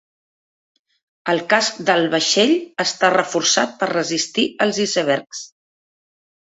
El casc del vaixell està reforçat per resistir els icebergs.